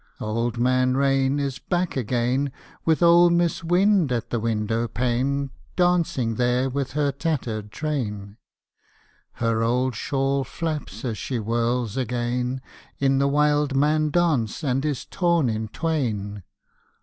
Old Man Rain is back again, With old Mis' Wind at the windowpane, Dancing there with her tattered train: Her old shawl flaps as she whirls again In the wildman dance and is torn in twain.